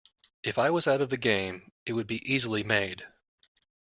If I was out of the game it would be easily made.